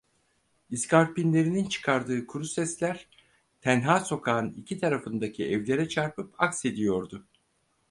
İskarpinlerinin çıkardığı kuru sesler, tenha sokağın iki tarafındaki evlere çarpıp aksediyordu.